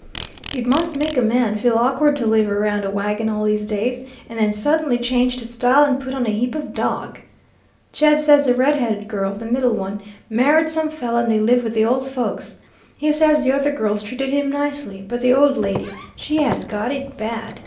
It must make a man feel awkward to live around a wagon all his days, and then suddenly change to style and put on a heap of dog. Jed says the red headed girl, the middle one, married some fellow, and they live with the old folks. He says the other girls treated him nicely, but the old lady, she has got it bad.